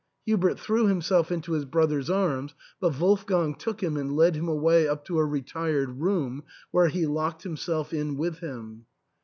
" Hubert threw himself into his brother's arms, but Wolfgang took him and led him away up to a retired room, where he locked himself in with him.